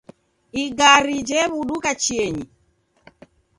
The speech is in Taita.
Igari jewuduka chienyi